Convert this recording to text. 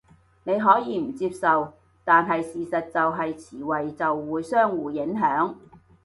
你可以唔接受，但係事實就係詞彙就會相互影響